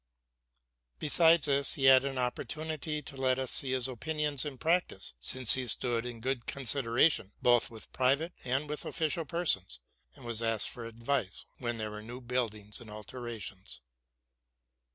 Besides this, he had an opportunity to let us see his opinions in practice ; since he stood in good consideration, both with private and with official persons, and.was asked for advice when there were new buildings and alterations.